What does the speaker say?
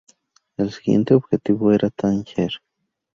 El siguiente objetivo era Tánger.